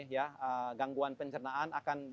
ya gangguan pencernaan akan